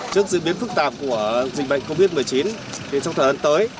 trước diễn biến phức tạp của dịch bệnh covid một mươi chín trong thời gian tới